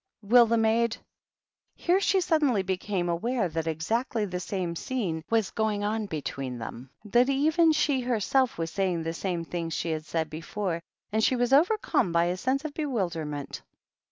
"Will the maid " Here she suddenly became aware that exactly the same scene was going on between them ; that even she herself was saying the same things she had said before, and she was overcome by a sense of bewilderment.